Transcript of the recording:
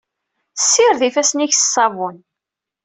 Ssired ifassen-ik s ṣṣabun.